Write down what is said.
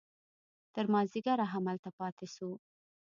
تر مازديګره هملته پاته سو.